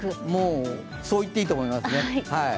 そう言っていいと思いますね。